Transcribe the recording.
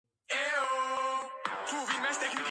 ქალაქთან ახლოს მდებარეობს უმსხვილესი შაქრის ქარხანა.